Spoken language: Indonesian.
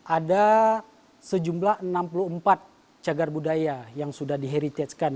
ada sejumlah enam puluh empat cegar budaya yang sudah diheritajkan